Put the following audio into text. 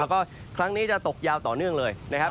แล้วก็ครั้งนี้จะตกยาวต่อเนื่องเลยนะครับ